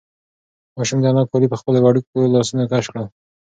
ماشوم د انا کالي په خپلو وړوکو لاسونو کش کړل.